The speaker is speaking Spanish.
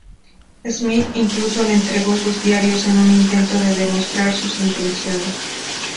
Smith incluso le entregó sus diarios, en un intento de demostrar sus intenciones.